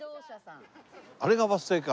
あれがバス停か？